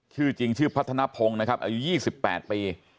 ชื่อจริงชื่อพัฒนภงนะครับอายุ๒๘ปี